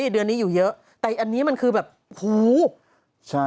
เดือนนี้อยู่เยอะแต่อันนี้มันคือแบบหูใช่